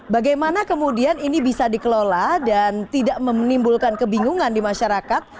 bagaimana kemudian ini bisa dikelola dan tidak menimbulkan kebingungan di masyarakat